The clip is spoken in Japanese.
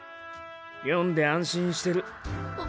読んで安心してる。